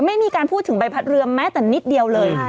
ไม่มีการพูดถึงใบพัดเรือแม้แต่นิดเดียวเลย